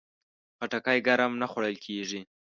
خټکی ګرم نه خوړل کېږي.